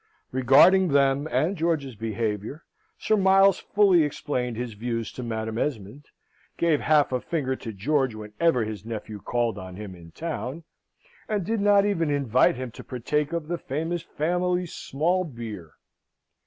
Regarding them, and George's behaviour, Sir Miles fully explained his views to Madam Esmond, gave half a finger to George whenever his nephew called on him in town, and did not even invite him to partake of the famous family small beer.